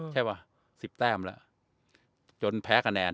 ใช่วะ๑๐แต่ละจนแพ้คะแนน